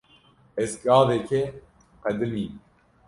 Ez gavekê qedimîm.